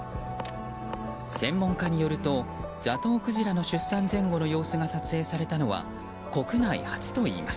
専門家によるとザトウクジラの出産前後の様子が撮影されたのは国内初といいます。